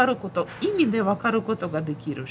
意味で分かることができるし。